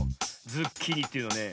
ズッキーニというのはね